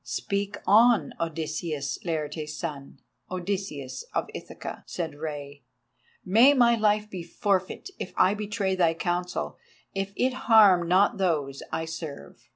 "Speak on, Odysseus, Laertes' son, Odysseus of Ithaca," said Rei; "may my life be forfeit if I betray thy counsel, if it harm not those I serve."